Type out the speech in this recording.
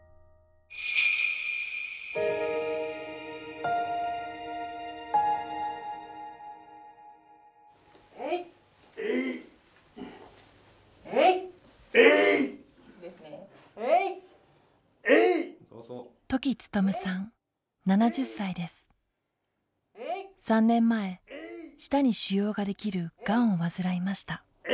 ３年前舌に腫瘍ができるガンを患いました。